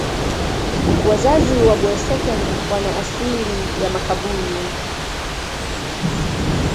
Wazazi wa Boeseken wana asili ya Makaburu.